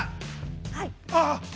はい。